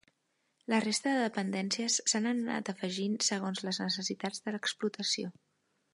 La resta de dependències s'han anat afegint segons les necessitats de l'explotació.